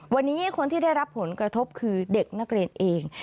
วันนี้คนที่ได้รับผลกระทบคือเด็กนักเรียนเอง